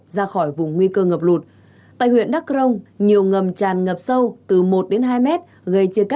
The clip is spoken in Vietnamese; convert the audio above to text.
ra khỏi vùng nguy cơ ngập lụt tại huyện đắk rông nhiều ngầm tràn ngập sâu từ một đến hai mét gây chia cắt